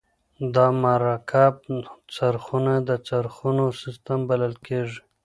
دا مرکب څرخونه د څرخونو سیستم بلل کیږي.